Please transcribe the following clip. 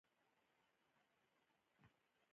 -د ټیم جوړونې وړتیا